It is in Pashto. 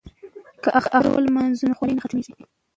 که اختر ولمانځو نو خوشحالي نه ختمیږي.